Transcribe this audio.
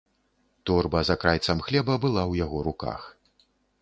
Торба з акрайцам хлеба была ў яго руках.